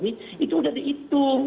itu udah dihitung